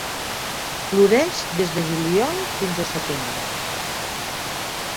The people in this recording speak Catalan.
Floreix des de juliol fins a setembre.